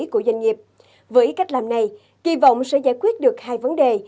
của doanh nghiệp với cách làm này kỳ vọng sẽ giải quyết được hai vấn đề